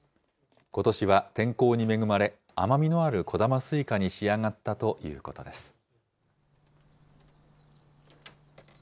ことしは天候に恵まれ、甘みのあるこだますいかに仕上がったということです。